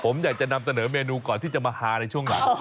ผมอยากจะนำเสนอเมนูก่อนที่จะมาฮาในช่วงหลัง